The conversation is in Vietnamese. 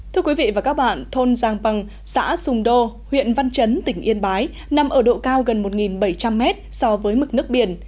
thưa quý vị và các bạn thôn giang bằng xã sùng đô huyện văn chấn tỉnh yên bái nằm ở độ cao gần một bảy trăm linh mét so với mực nước biển